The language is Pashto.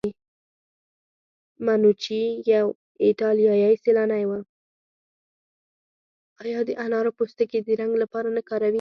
آیا د انارو پوستکي د رنګ لپاره نه کاروي؟